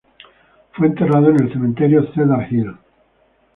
Fue enterrado en el cementerio Cedar Hill.